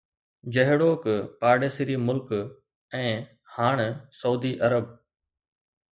جهڙوڪ پاڙيسري ملڪ ۽ هاڻ سعودي عرب